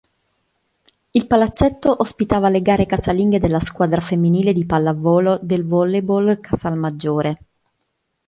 Il palazzetto ospitava le gare casalinghe della squadra femminile di pallavolo del Volleyball Casalmaggiore.